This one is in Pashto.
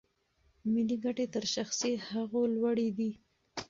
ملي ګټې تر شخصي هغو لوړې دي.